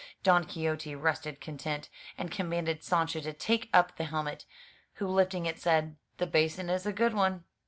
Don Quixote rested content, and commanded Sancho to take up the helmet; who lifting it, said: "The basin is a good one."